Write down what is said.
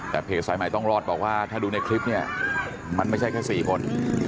แต่เพจสายใหม่ต้องรอดบอกว่าถ้าดูในคลิปเนี่ยมันไม่ใช่แค่๔คน